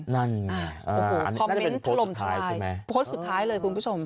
นั่นอ่าโอ้โหอันนี้ก็จะเป็นโพสต์สุดท้ายโพสต์สุดท้ายเลยคุณผู้ชม